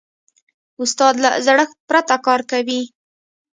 استاد له زړښت پرته کار کوي.